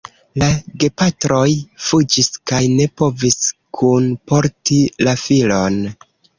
La gepatroj fuĝis kaj ne povis kunporti la filon.